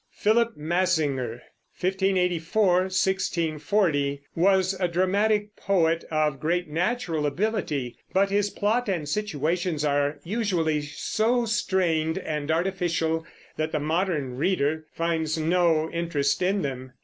Philip Massinger (1584 1640) was a dramatic poet of great natural ability; but his plots and situations are usually so strained and artificial that the modern reader finds no interest in them.